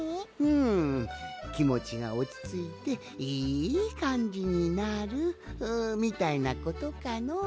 んきもちがおちついていいかんじになるみたいなことかのう。